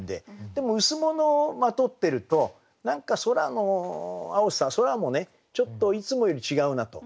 でも羅をまとってると何か空の青さ空もねちょっといつもより違うなと。